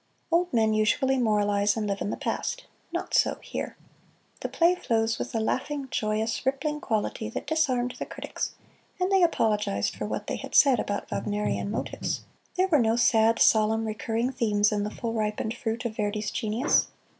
Old men usually moralize and live in the past not so here. The play flows with a laughing, joyous, rippling quality that disarmed the critics and they apologized for what they had said about Wagnerian motives. There were no sad, solemn, recurring themes in the full ripened fruit of Verdi's genius.